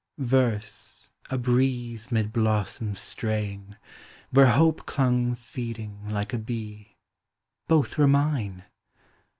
Verse, a breeze 'mid blossoms straying, Where Hojk4 clung feeding, like a bee — Both were mine!